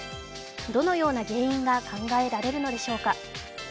どのような原因が考えられるのでしょうか。